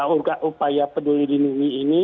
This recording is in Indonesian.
upaya peduli lindungi ini